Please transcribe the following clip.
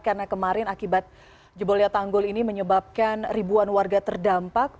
karena kemarin akibat jebolnya tanggul ini menyebabkan ribuan warga terdampak